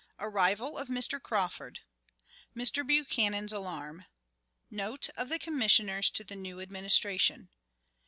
Arrival of Mr. Crawford. Mr. Buchanan's Alarm. Note of the Commissioners to the New Administration.